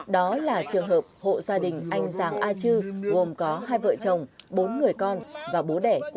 đó là trường hợp hộ gia đình anh giàng a chư gồm có hai vợ chồng bốn người con và bố đẻ của giàng a chư